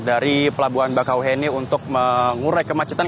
dari pelabuhan bakau heni untuk mengurai kemacetan